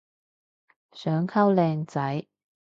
想溝靚仔